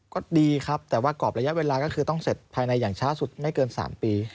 ก็ดีครับแต่ว่ากรอบระยะเวลาก็คือต้องเสร็จภายในอย่างช้าสุดไม่เกิน๓ปี